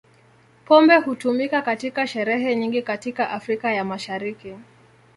Pombe hutumika katika sherehe nyingi katika Afrika ya Mashariki.